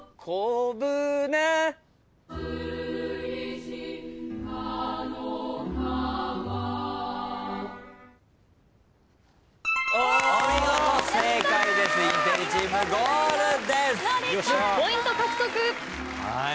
１０ポイント獲得。